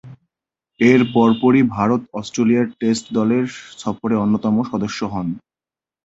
এর পরপরই ভারতে অস্ট্রেলিয়ার টেস্ট দলের সফরে অন্যতম সদস্য হন।